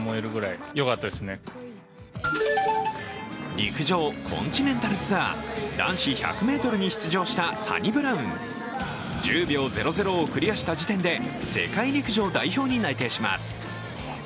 陸上、コンチネンタルツアー、男子１００ｍに出場したサニブラウン１０秒００をクリアした時点で世界陸上代表に内定します。